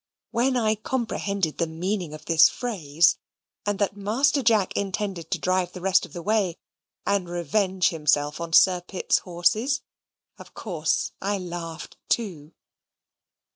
When I comprehended the meaning of this phrase, and that Master Jack intended to drive the rest of the way, and revenge himself on Sir Pitt's horses, of course I laughed too.